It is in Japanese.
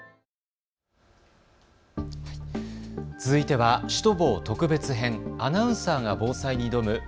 続いてはシュトボー特別編、アナウンサーが防災に挑む＃